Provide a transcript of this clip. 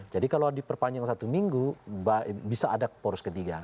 jadi kalau diperpanjang satu minggu bisa ada poros ketiga